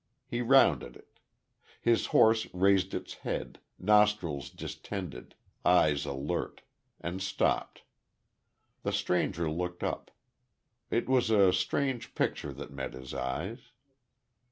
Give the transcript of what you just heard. He rounded it. His horse raised its head, nostrils distended, eyes alert, and stopped. The stranger looked up. It was a strange picture that met his eyes....